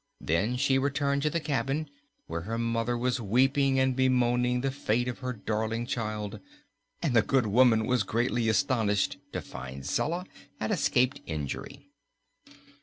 Then she returned to the cabin, where her mother was weeping and bemoaning the fate of her darling child, and the good woman was greatly astonished to find Zella had escaped injury.